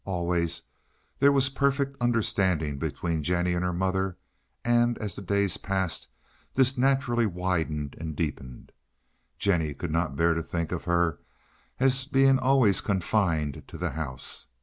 Always there was perfect understanding between Jennie and her mother, and as the days passed this naturally widened and deepened. Jennie could not bear to think of her as being always confined to the house.